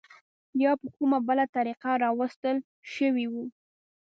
یا په کومه بله طریقه راوستل شوي وو.